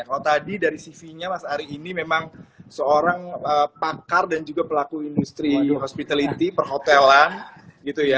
kalau tadi dari cv nya mas ari ini memang seorang pakar dan juga pelaku industri hospitality perhotelan gitu ya